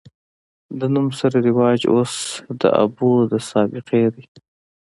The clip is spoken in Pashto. د نوم سره رواج اوس د ابو د سابقې دے